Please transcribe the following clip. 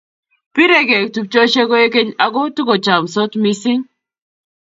biregei tupchosiek kwekeny aku tukuchamsot mising